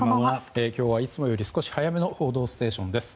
今日はいつもより少し早めの「報道ステーション」です。